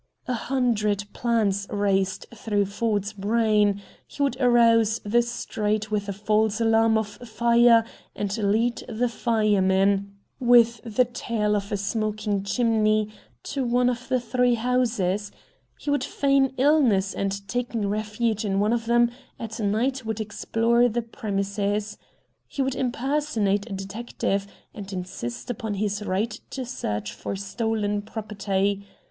A hundred plans raced through Ford's brain; he would arouse the street with a false alarm of fire and lead the firemen, with the tale of a smoking chimney, to one of the three houses; he would feign illness, and, taking refuge in one of them, at night would explore the premises; he would impersonate a detective, and insist upon his right to search for stolen property.